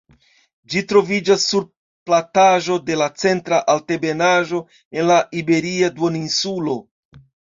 Ĝi troviĝas sur plataĵo de la Centra Altebenaĵo en la Iberia duoninsulo.